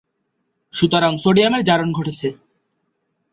সুতরাং সোডিয়ামের জারণ ঘটেছে।